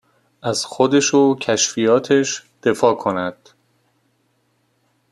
از خودش و کشفیاتش دفاع کند.